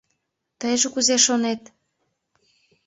— Тыйже кузе шонет?